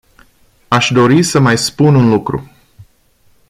Aș dori să mai spun un lucru.